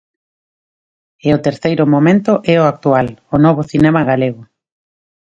E o terceiro momento é o actual, o novo cinema galego.